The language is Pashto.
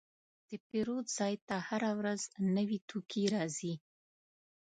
د پیرود ځای ته هره ورځ نوي توکي راځي.